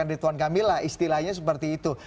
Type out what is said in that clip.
ridwan kamil lah istilahnya seperti itu